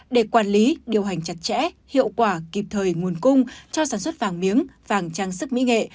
để quản lý điều hành chặt chẽ hiệu quả kịp thời nguồn cung cho sản xuất vàng miếng vàng trang sức mỹ nghệ